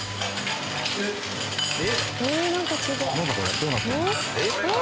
どうなってる？